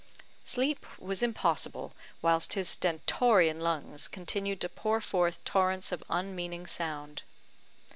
Sleep was impossible, whilst his stentorian lungs continued to pour forth torrents of unmeaning sound.